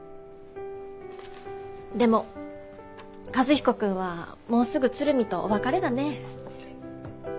でも和彦君はもうすぐ鶴見とお別れだね。